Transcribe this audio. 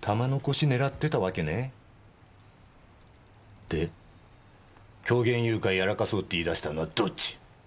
玉の輿狙ってたわけね。で狂言誘拐やらかそうって言い出したのはどっち？